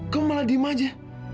kamu malah diam aja